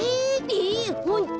えホント？